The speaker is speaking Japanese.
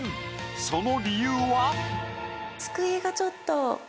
その理由は？